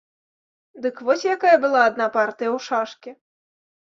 Дык вось якая была адна партыя ў шашкі.